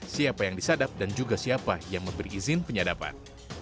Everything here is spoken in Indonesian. siapa yang disadap dan juga siapa yang memberi izin penyadapan